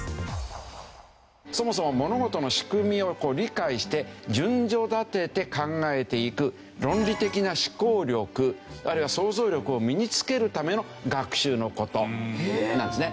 そもそも物事の仕組みを理解して順序立てて考えていく論理的な思考力あるいは想像力を身に付けるための学習の事なんですね。